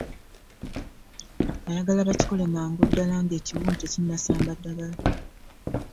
Ayagala bakikole mangu ddala ng'ekiwundu tekinnasamba ddagala.